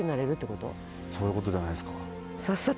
そういうことじゃないですか？